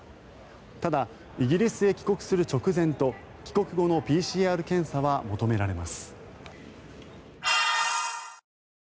ただ、イギリスへ帰国する直前と帰国後のＰＣＲ検査は求められます。